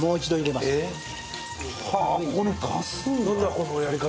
このやり方。